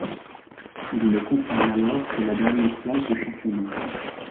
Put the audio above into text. Il ne concerne alors que la dernière place du championnat.